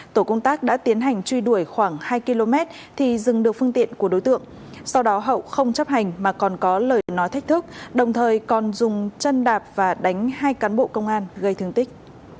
tổ công tác đã tiến hành truy đuổi khoảng hai km thì dừng được phương tiện của đối tượng sau đó hậu không chấp hành mà còn có lời nói thách thức đồng thời còn dùng chân đạp và đánh hai cán bộ công an gây thương tích